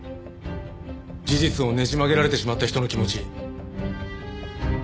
事実をねじ曲げられてしまった人の気持ち。